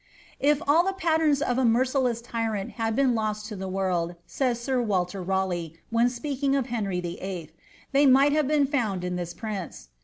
^ If all the patterns of a merciless t3rrant had been lost to the world," says Sir Walter Raleigh, when speaking of Henry VHI., ^ they might have been found in this prince.